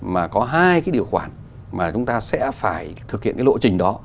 mà có hai điều khoản mà chúng ta sẽ phải thực hiện lộ trình đó